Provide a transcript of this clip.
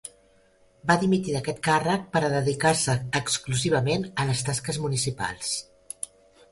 Va dimitir d'aquest càrrec per a dedicar-se exclusivament a les tasques municipals.